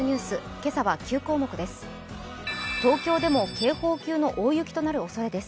今朝は９項目です。